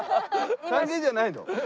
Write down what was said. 歓迎じゃないの？